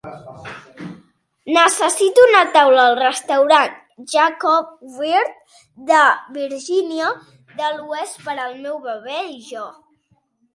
Necessito una taula al restaurant Jacob Wirth de Virgínia de l'Oest per al meu bebè i jo.